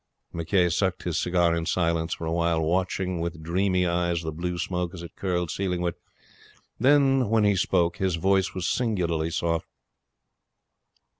McCay sucked his cigar in silence for a while, watching with dreamy eyes the blue smoke as it curled ceiling ward. When he spoke his voice was singularly soft.